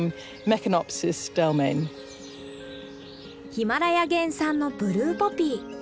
ヒマラヤ原産のブルーポピー。